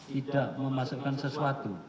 tidak memasukkan sesuatu